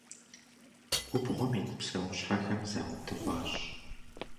Губгъуэм ит псэущхьэхэм заудыгъуащ.